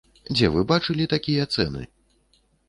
Дзе вы бачылі такія цэны.